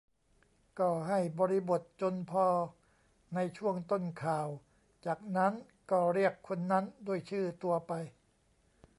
ก็ให้บริบทจนพอในช่วงต้นข่าว จากนั้นก็เรียกคนนั้นด้วยชื่อตัวไป